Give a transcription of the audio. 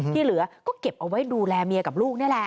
ที่เหลือก็เก็บเอาไว้ดูแลเมียกับลูกนี่แหละ